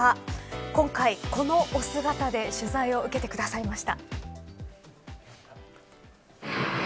今回、このお姿で取材を受けてくださいました。